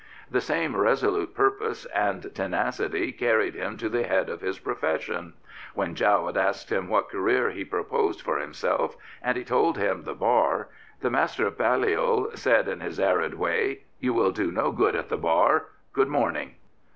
The same resolute purpose and tenacity carried him to the head of his profession. When Jowett asked him what career he proposed for himself and he told him the Bar, the Master of Balliol said in his arid way, " You will do no good at the Bar. Good morning.